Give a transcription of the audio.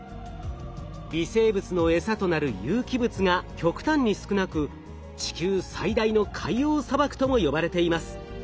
微生物のエサとなる有機物が極端に少なく地球最大の海洋砂漠とも呼ばれています。